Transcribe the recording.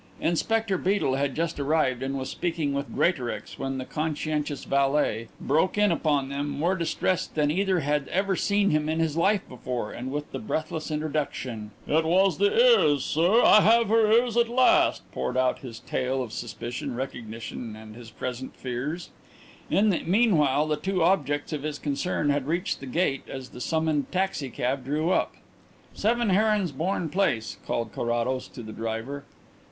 Inspector Beedel had just arrived and was speaking with Greatorex when the conscientious valet, who had been winnowing his memory in solitude, broke in upon them, more distressed than either had ever seen him in his life before, and with the breathless introduction: "It was the ears, sir! I have her ears at last!" poured out his tale of suspicion, recognition and his present fears. In the meanwhile the two objects of his concern had reached the gate as the summoned taxicab drew up. "Seven Heronsbourne Place," called Carrados to the driver.